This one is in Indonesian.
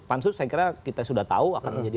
pansus saya kira kita sudah tahu akan menjadi